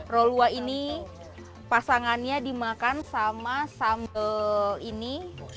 rolua ini pasangannya dimakan sama sambal ini